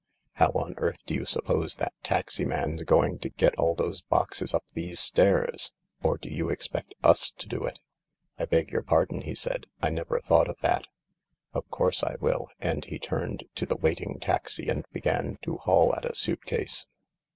How on earth do you suppose that taxi man's going to get all those boxes up these stairs ? Or do you expect us to do it >" I' 1 your pardon," he said. "I never thought of C ? U ? e 1 wiU '" and he turned t0 waiting taxi and began to haul at a suit case.